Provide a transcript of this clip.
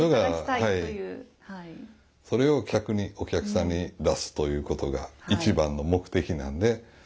それを客にお客さんに出すということが一番の目的なんで。